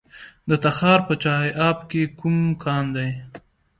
د تخار په چاه اب کې کوم کان دی؟